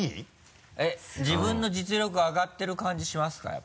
自分の実力上がってる感じしますか？